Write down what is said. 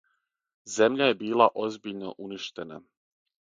Земља је била озбиљно уништена.